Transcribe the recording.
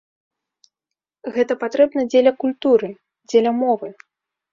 Гэта патрэбна дзеля культуры, дзеля мовы.